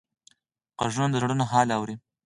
غوږونه د زړونو حال اوري